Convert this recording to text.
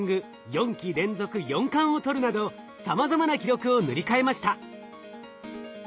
４期連続４冠を取るなどさまざまな記録を塗り替えました。